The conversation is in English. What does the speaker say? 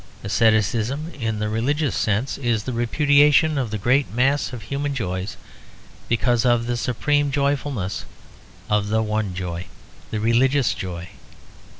Asceticism, in the religious sense, is the repudiation of the great mass of human joys because of the supreme joyfulness of the one joy, the religious joy.